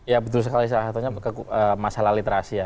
ya betul sekali salah satunya masalah literasi ya